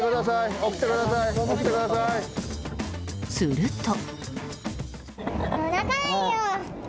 すると。